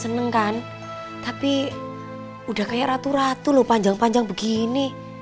seneng kan tapi udah kayak ratu ratu loh panjang panjang begini